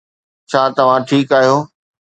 ڇا توهان ٺيڪ آهيو